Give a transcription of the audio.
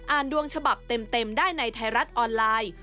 ดวงฉบับเต็มได้ในไทยรัฐออนไลน์